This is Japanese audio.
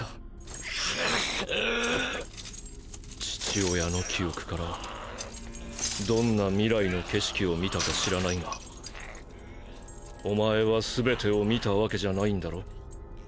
父親の記憶からどんな未来の景色を見たか知らないがお前はすべてを見たわけじゃないんだろ？